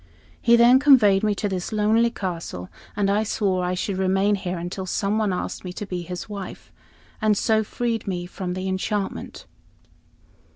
He then conveyed me to this lonely castle, and swore I should remain here until some one asked me to be his wife, and so freed me from the enchantment."